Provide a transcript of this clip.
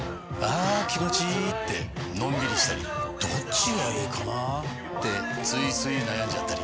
あ気持ちいいってのんびりしたりどっちがいいかなってついつい悩んじゃったり。